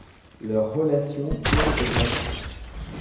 Leur relation tourne au malsain.